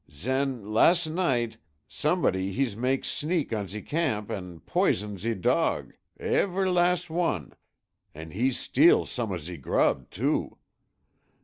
Zen las' night som'body hees mak sneak on ze camp an' poison ze dog—ever' las' one—an' hees steal som' of ze grub, too.